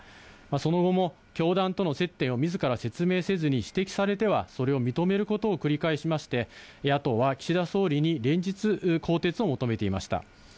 その後も、教団との接点をみずから説明せずに、指摘されてはそれを認めることを繰り返しまして、野党は岸田総理に連日、更迭を求めていました。